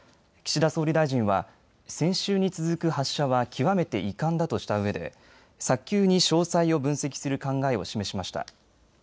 岸田総理大臣は先週に続く発射は極めて遺憾だとしたうえで早急に詳細を分析する考えを示しました。